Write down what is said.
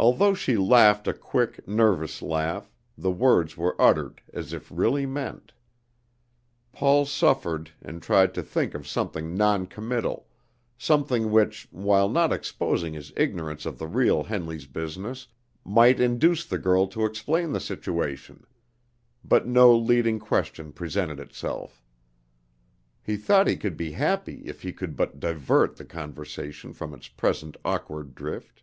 Although she laughed a quick, nervous laugh, the words were uttered as if really meant. Paul suffered, and tried to think of something non committal something which, while not exposing his ignorance of the real Henley's business, might induce the girl to explain the situation; but no leading question presented itself. He thought he could be happy if he could but divert the conversation from its present awkward drift.